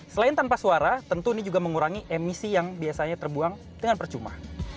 selain tanpa suara tentu ini juga mengurangi emisi yang biasanya terbuang dengan percuma